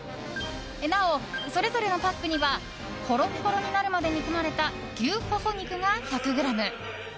なお、それぞれのパックにはホロホロになるまで煮込まれた牛ホホ肉が１００ｇ。